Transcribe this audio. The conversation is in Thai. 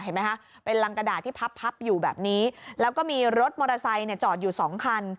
เห็นไหมคะเป็นรังกระดาษที่พับพับอยู่แบบนี้แล้วก็มีรถมอเตอร์ไซค์เนี่ยจอดอยู่สองคัน